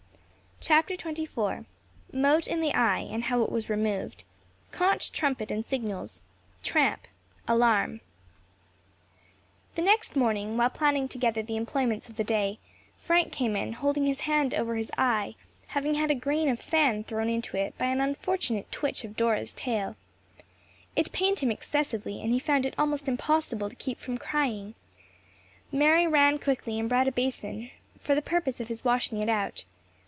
CHAPTER XXIV MOTE IN THE EYE, AND HOW IT WAS REMOVED CONCH TRUMPET AND SIGNALS TRAMP ALARM The next morning, while planning together the employments of the day, Frank came in, holding his hand over his eye, having had a grain of sand thrown into it by an unfortunate twitch of Dora's tail. It pained him excessively, and he found it almost impossible to keep from crying. Mary ran quickly and brought a basin, for the purpose of his washing it out.